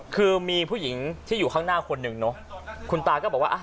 คือมีผู้หญิงที่อยู่ข้างหน้าคนหนึ่งเนอะคุณตาก็บอกว่าอ่ะ